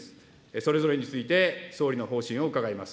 それぞれについて総理の方針を伺います。